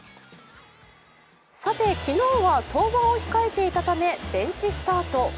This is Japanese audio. さて、昨日は登板を控えていたためベンチスタート。